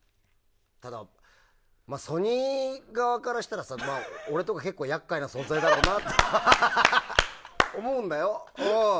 ただ、ソニー側からしたら俺とか、結構厄介な存在だろうなと思うんだよ、うん。